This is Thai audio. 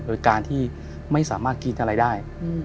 โดยการที่ไม่สามารถกินอะไรได้